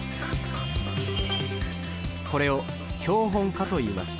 これを「標本化」といいます。